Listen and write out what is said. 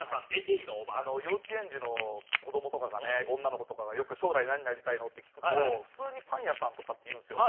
幼稚園児の子どもとか女の子とかが将来何になりたいのと聞くと普通にパン屋さんとか言うんです。